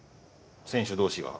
選手同士が？